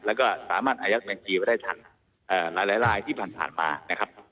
แล้วก็สามารถอายัดบัญชีไว้ได้ทั้งหลายที่ผ่านมานะครับ